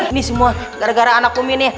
ini semua gara gara anak umi ini